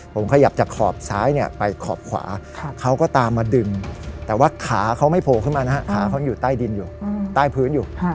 ผมขยับจากขอบซ้ายไปขอบขวาเขาก็ตามมาดึงแต่ว่าขาเขาไม่โผล่ขึ้นมานะฮะขาเขายังอยู่ใต้ดินอยู่ใต้พื้นอยู่